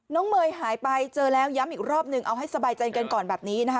เมย์หายไปเจอแล้วย้ำอีกรอบนึงเอาให้สบายใจกันก่อนแบบนี้นะคะ